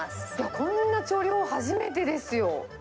こんな調理法、初めてですよ。